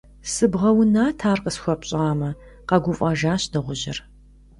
- Сыбгъэунат, ар къысхуэпщӏамэ, - къэгуфӏэжащ дыгъужьыр.